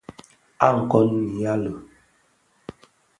A kôn nyali.